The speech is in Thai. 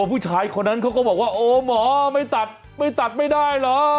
ผู้ชายคนนั้นเขาก็บอกว่าโอ้หมอไม่ตัดไม่ตัดไม่ได้เหรอ